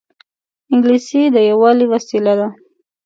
انګلیسي د یووالي وسیله ده